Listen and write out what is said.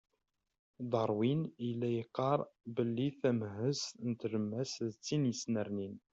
Darwin yella yeqqar belli tamhezt n telmas d tin yettnernin.